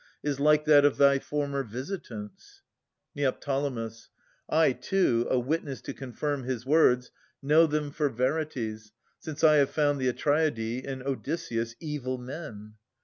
Is like that of thy former visitants. Ned. I, too, a witness to confirm his words, Know them for verities, since I have found The Atreidae and Odysseus evil men.